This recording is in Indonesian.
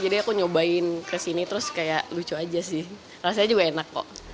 jadi aku nyobain kesini terus kayak lucu aja sih rasanya juga enak kok